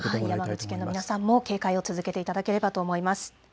山口県の皆さんも警戒を続けていただければと思います。